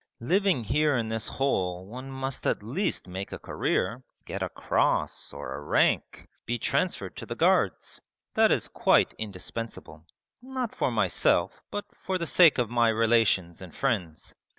'Living here in this hole one must at least make a career get a cross or a rank be transferred to the Guards. That is quite indispensable, not for myself but for the sake of my relations and friends.